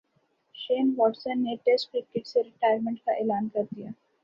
شین واٹسن نے test cricket سے ریٹائرمنٹ کا اعلان کر دیا